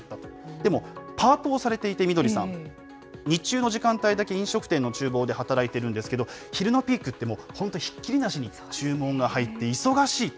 でも、パートをされていて、ミドリさん、日中の時間帯だけ飲食店のちゅう房で働いてるんですけど、昼のピークってもう、本当ひっきりなしに注文が入って、忙しいと。